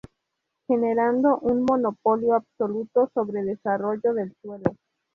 Generando un monopolio absoluto sobre desarrollo del suelo.